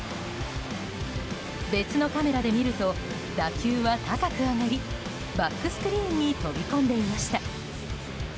別のカメラで見ると打球は高く上がりバックスクリーンに飛び込んでいました。